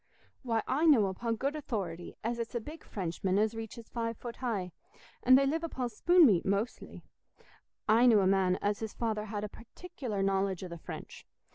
Why, I know upo' good authority as it's a big Frenchman as reaches five foot high, an' they live upo' spoon meat mostly. I knew a man as his father had a particular knowledge o' the French.